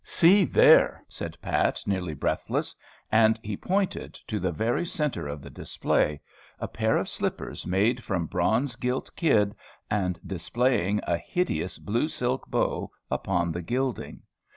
"See there!" said Pat, nearly breathless. And he pointed to the very centre of the display, a pair of slippers made from bronze gilt kid, and displaying a hideous blue silk bow upon the gilding.